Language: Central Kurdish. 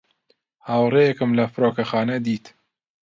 هاوڕێیەکم لە فڕۆکەخانە دیت.